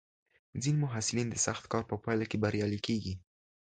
ځینې محصلین د سخت کار په پایله کې بریالي کېږي.